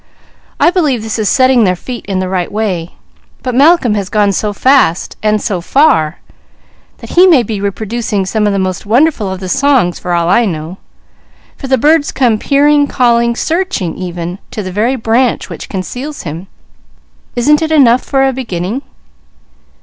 I believe this is setting their feet in the right way. But Malcolm has gone so fast and so far, that he may be reproducing some of the most wonderful of the songs, for all I know, for the birds come peering, calling, searching, even to the very branch which conceals him. Isn't it enough for a beginning?"